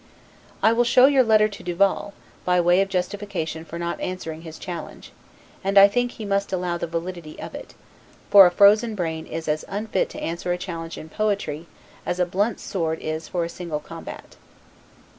I will show your letter to Duval, by way of justification for not answering his challenge; and I think he must allow the validity of it; for a frozen brain is as unfit to answer a challenge in poetry, as a blunt sword is for a single combat.